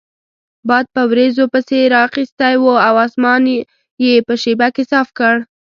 باد په وریځو پسې رااخیستی وو او اسمان یې په شیبه کې صاف کړ.